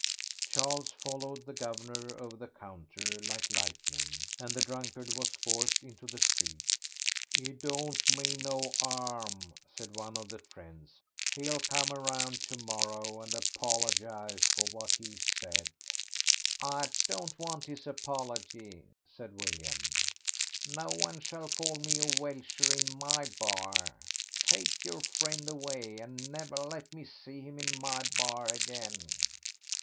Charles followed the guv'nor over the counter like lightning, and the drunkard was forced into the street. "He don't mean no 'arm," said one of the friends; "he'll come round to morrow and apologise for what he's said." "I don't want his apology," said William. "No one shall call me a welsher in my bar.... Take your friend away, and never let me see him in my bar again."